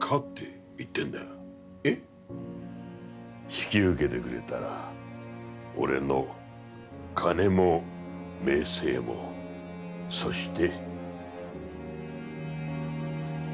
引き受けてくれたら俺の金も名声もそして。